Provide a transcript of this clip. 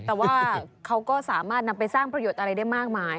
แต่ว่าเขาก็สามารถนำไปสร้างประโยชน์อะไรได้มากมาย